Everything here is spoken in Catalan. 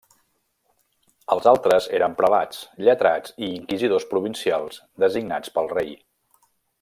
Els altres eren prelats, lletrats i inquisidors provincials designats pel Rei.